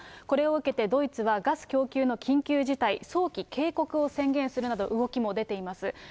これを受けてドイツは、ガス供給の緊急事態、早期警告を宣言するなど、動きも出ています。